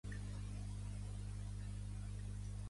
Vegem açò per mitjà d'un clar exemple.